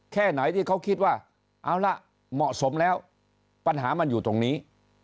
แค่ไหนที่เขาคิดว่าเอาล่ะเหมาะสมแล้วปัญหามันอยู่ตรงนี้